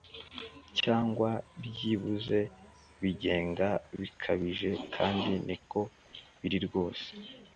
cyangwa byibuze byigenga bikabije kandi niko biri rwose